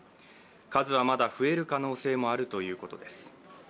数はまだ増える可能性もあるということです。